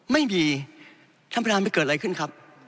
ไม่มีท่านประธานไปเกิดอะไรขึ้นครับ